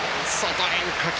外変化球！